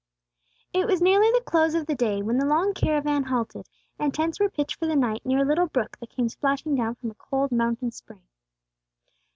IT was nearly the close of the day when the long caravan halted, and tents were pitched for the night near a little brook that came splashing down from a cold mountain spring.